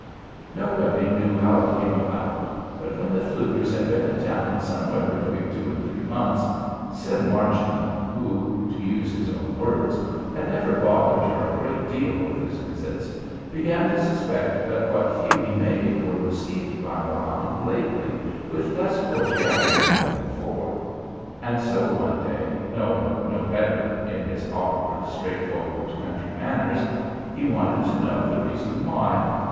Nobody knew how it came about; but when the Flukers had been in town somewhere between two and three months, Sim Marchman, who (to use his own words) had never bothered her a great deal with his visits, began to suspect that what few he made were received by Marann lately with less cordiality than before; and so one day, knowing no better, in his awkward, straightforward country manners, he wanted to know the reason why.